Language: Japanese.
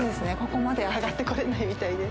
ここまで上がってこれないみたいで。